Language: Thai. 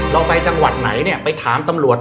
เราไปจังหวัดไหนเนี่ยไปถามตำรวจ